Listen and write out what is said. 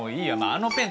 あのペン！